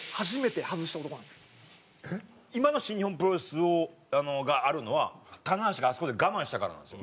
あれを今の新日本プロレスがあるのは棚橋があそこで我慢したからなんですよ。